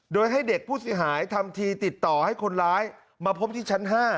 โดยให้เด็กผู้เสียหายทำทีติดต่อให้คนร้ายมาพบที่ชั้น๕